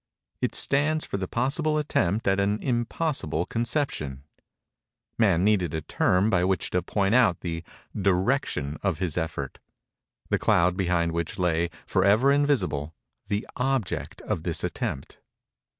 It stands for the possible attempt at an impossible conception. Man needed a term by which to point out the direction of this effort—the cloud behind which lay, forever invisible, the object of this attempt.